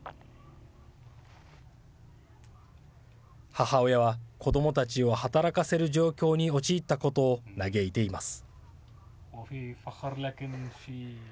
母親は子どもたちを働かせる状況に陥ったことを嘆いています。